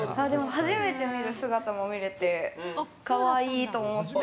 初めて見る姿も見れて可愛いと思って。